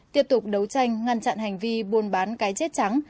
tiếp tục đấu tranh ngăn chặn hành vi buôn bán cái chết trắng